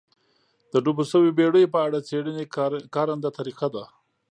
د ډوبو شویو بېړیو په اړه څېړنې کارنده طریقه ده.